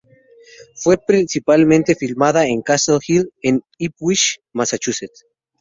Fue principalmente filmada en Castle Hill, en Ipswich, Massachusetts.